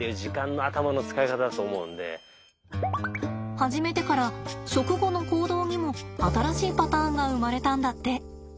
始めてから食後の行動にも新しいパターンが生まれたんだって。